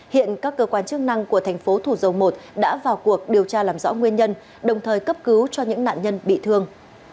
hiện các cơ quan chức năng của thành phố thủ dầu một đã vào cuộc điều tra làm rõ nguyên nhân đồng thời cấp cứu cho những nạn nhân bị thương